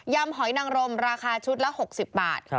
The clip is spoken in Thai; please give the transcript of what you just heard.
หอยนังรมราคาชุดละ๖๐บาท